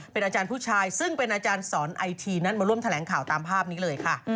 เป็นอาจารย์ผู้ชายซึ่งเป็นอาจารย์สอนไอทีนั้นมาร่วมแถลงข่าวตามภาพนี้เลยค่ะ